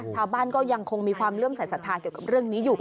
ชาวบ้านก็ยังคงมีความเลื่อมสายศรัทธาเกี่ยวกับเรื่องนี้อยู่